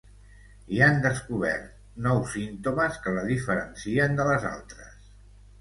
I hi han descobert nous símptomes que la diferencien de les altres.